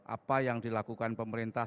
apa yang dilakukan pemerintah